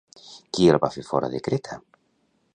Qui el va fer fora de Creta?